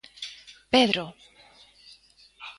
Pedro.